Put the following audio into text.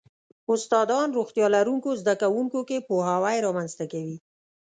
استادان روغتیا لرونکو زده کوونکو کې پوهاوی رامنځته کوي.